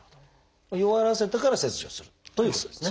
弱らせてから切除するということですね。